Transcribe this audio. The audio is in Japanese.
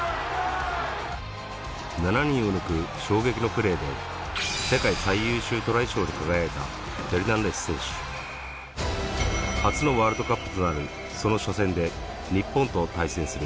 ７人を抜く衝撃のプレーでに輝いたフェルナンデス選手初のワールドカップとなるその初戦で日本と対戦する